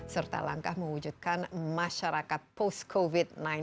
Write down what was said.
serta langkah mewujudkan masyarakat post covid sembilan belas